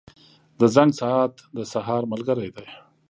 • د زنګ ساعت د سهار ملګری دی.